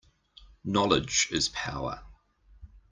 Knowledge is power.